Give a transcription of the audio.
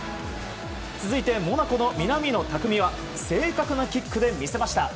続いてモナコの南野拓実は正確なキックで魅せました。